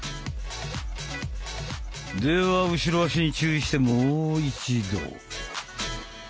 では後ろ足に注意してもう一度。